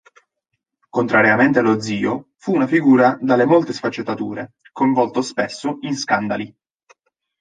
Contrariamente allo zio, fu una figura dalle molte sfaccettature, coinvolto spesso in scandali.